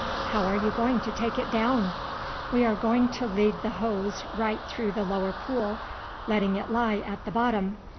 "How are you going to take it down?" "We are going to lead the hose right through the lower pool, letting it lie at the bottom.